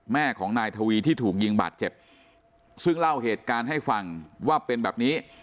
แม่ของนายทวีที่ถูกยิงบาดเจ็บซึ่งเล่าเหตุการณ์ให้ฟังว่าเป็นแบบนี้